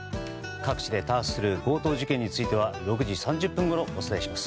各地で多発する強盗事件については６時３０分ごろお伝えします。